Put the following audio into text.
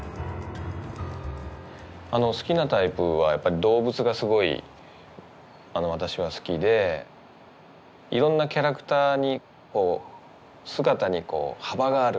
好きなタイプはやっぱり動物がすごい私は好きでいろんなキャラクターに姿に幅があるというか。